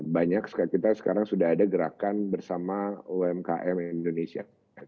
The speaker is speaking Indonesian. banyak kita sekarang sudah ada gerakan bersama umkm indonesia